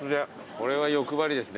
これは欲張りですね。